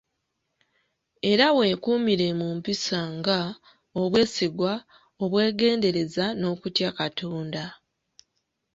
Era weekuumire mu mpisa nga; obwesigwa, obwegendereza n'okutya Katonda.